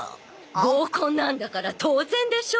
合コンなんだから当然でしょ。